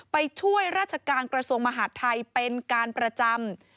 ไปช่วยราชการกระทรวงมหาดไทยเป็นการประจำ